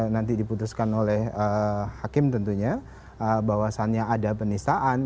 nanti diputuskan oleh hakim tentunya bahwasannya ada penistaan